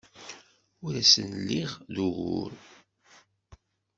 Ur asen-lliɣ d ugur.